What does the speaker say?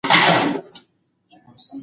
پخوانۍ زمانه کې د لیکلو دود کم و.